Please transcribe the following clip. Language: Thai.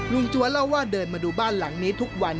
จัวเล่าว่าเดินมาดูบ้านหลังนี้ทุกวัน